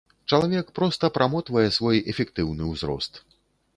Чалавек проста прамотвае свой эфектыўны ўзрост.